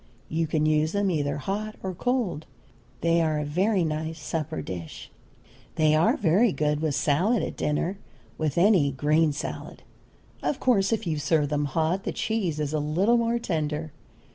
You can use them either hot or cold. They are a very nice supper dish. They are very good with salad at dinner, with any green salad. Of course, if you serve them hot the cheese is a little more tender.